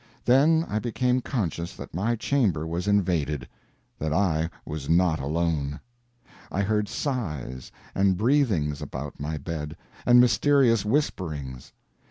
Then I became conscious that my chamber was invaded that I was not alone. I heard sighs and breathings about my bed, and mysterious whisperings.